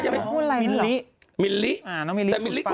มิลลิ